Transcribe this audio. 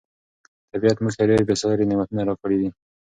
طبیعت موږ ته ډېر بې ساري نعمتونه راکړي دي.